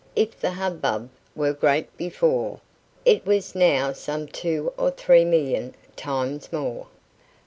if the hubbub were great before, It was now some two or three million times more.